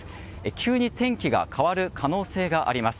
急に天気が変わる可能性があります。